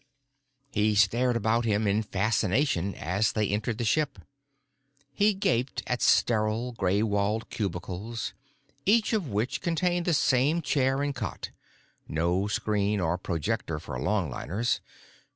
He stared about him in fascination as they entered the ship. He gaped at sterile, gray walled cubicles, each of which contained the same chair and cot—no screen or projector for longliners.